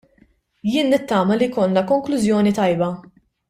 Jien nittama li jkollna konklużjoni tajba.